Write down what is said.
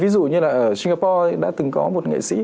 ví dụ như là ở singapore đã từng có một nghệ sĩ